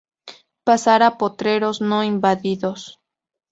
Pasar a potreros no invadidos.